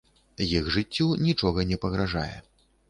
Іх жыццю нічога не пагражае.